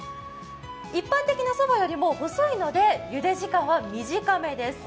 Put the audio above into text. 一般的なそばよりも細いのでゆで時間は短めです。